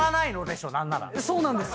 そうなんです！